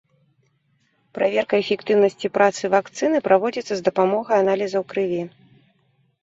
Праверка эфектыўнасці працы вакцыны праводзіцца з дапамогай аналізаў крыві.